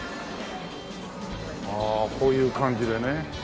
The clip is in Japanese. ああこういう感じでね。